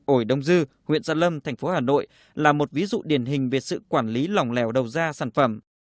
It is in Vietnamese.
ổi đông dư huyện gia lâm thành phố hà nội là một ví dụ điển hình về sự quản lý lỏng lèo đầu ra sản phẩm